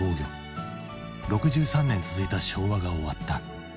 ６３年続いた昭和が終わった。